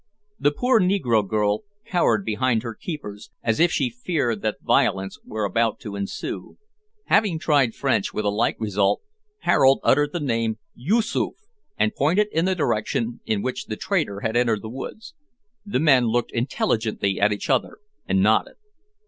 The poor negro girl cowered behind her keepers, as if she feared that violence were about to ensue. Having tried French with a like result, Harold uttered the name, "Yoosoof," and pointed in the direction in which the trader had entered the woods. The men looked intelligently at each other, and nodded.